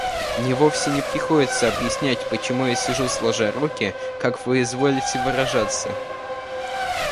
Мне вовсе не приходится объяснять почему я сижу сложа руки, как вы изволите выражаться.